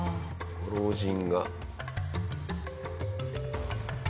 ご老人が。